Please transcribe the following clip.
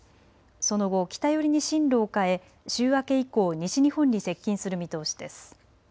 その後、北寄りに進路を変え週明け以降、西日本に接近する見通しです。